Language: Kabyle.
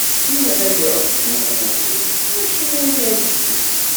Win ara yeṛǧu udles, acimi i la yeddes?